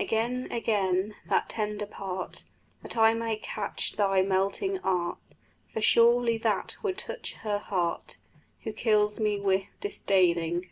Again, again that tender part, That I may catch thy melting art; For surely that would touch her heart Who kills me wi' disdaining.